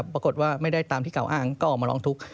ปรากฏว่าไม่ได้ตามที่เก่าอ้างก็ออกมาร้องทุกข์